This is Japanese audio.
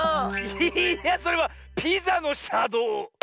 いやそれは「ピザのしゃどう」！